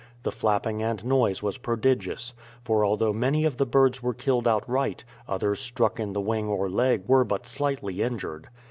The flapping and noise was prodigious, for although many of the birds were killed outright, others struck in the wing or leg were but slightly injured.